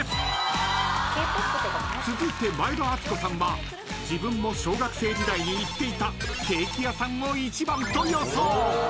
［続いて前田敦子さんは自分も小学生時代に言っていたケーキ屋さんを１番と予想］